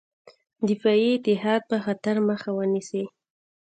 دفاعي اتحاد به خطر مخه ونیسي.